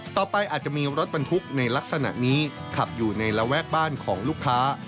อาจจะมีรถบรรทุกในลักษณะนี้ขับอยู่ในระแวกบ้านของลูกค้า